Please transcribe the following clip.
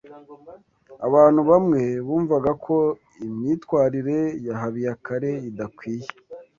Abantu bamwe bumvaga ko imyitwarire ya Habiyakare idakwiye.